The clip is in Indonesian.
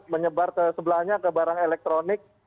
menyebar ke sebelahnya ke barang elektronik